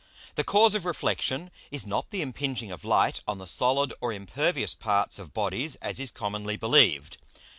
_The Cause of Reflexion is not the impinging of Light on the solid or impervious parts of Bodies, as is commonly believed.